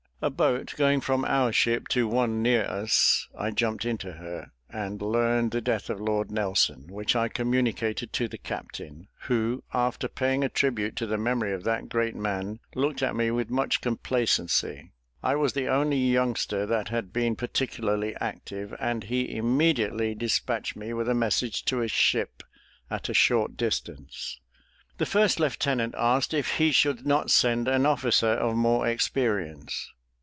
A boat going from our ship to one near us, I jumped into her, and learned the death of Lord Nelson, which I communicated to the captain, who, after paying a tribute to the memory of that great man, looked at me with much complacency. I was the only youngster that had been particularly active, and he immediately despatched me with a message to a ship at a short distance. The first lieutenant asked if he should not send an officer of more experience.